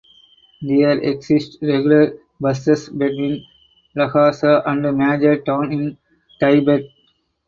There exist regular buses between Lhasa and major towns in Tibet.